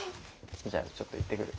じゃあちょっと行ってくる。